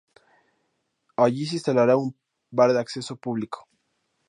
Allí se instalaría un bar de acceso público.